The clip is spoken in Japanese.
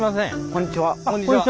こんにちは。